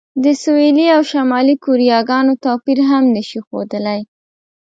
د سویلي او شمالي کوریاګانو توپیر هم نه شي ښودلی.